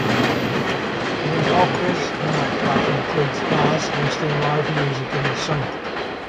Minocqua's nightlife includes bars hosting live music in the summer.